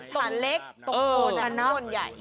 ศาลเล็กตกโหน่อมานะ